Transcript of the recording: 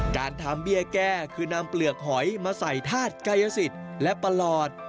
การทำเบี้ยแก้คือนำเปลือกหอยมาใส่ธาตุกายสิทธิ์และประหลอด